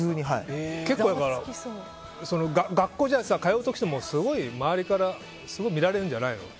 結構、学校じゃ通うとしても、すごい周りから見られるんじゃないの？